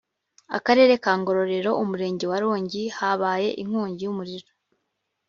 akarere ka ngororero umurenge wa rongi habaye inkongi yumuriro